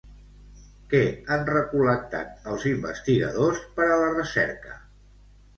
Què han recol·lectat els investigadors per a la recerca?